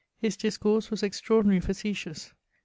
His discourse was extraordinary facetious.